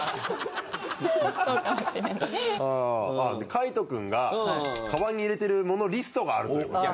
海人君がカバンに入れてるものリストがあるという事で。